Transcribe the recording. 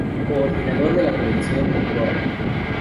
Coordinador de la colección Dra.